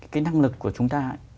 cái năng lực của chúng ta